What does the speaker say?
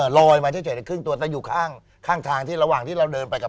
เอ่อลอยมาใช่ไหมครึ่งตัวแต่อยู่ข้างข้างทางที่ระหว่างที่เราเดินไปกับ